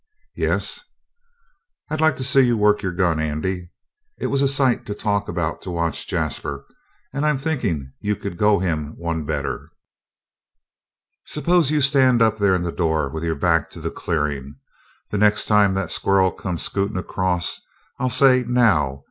"Yes." "I'd like to see you work your gun, Andy. It was a sight to talk about to watch Jasper, and I'm thinkin' you could go him one better. S'pose you stand up there in the door with your back to the clearin'. The next time that squirrel comes scootin' across I'll say, 'Now!'